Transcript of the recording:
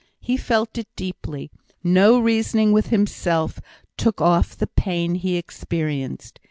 He felt it deeply; no reasoning with himself took off the pain he experienced.